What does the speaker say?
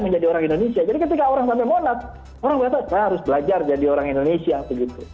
menjadi orang indonesia jadi ketika orang sampai monat orang whatsap saya harus belajar jadi orang indonesia begitu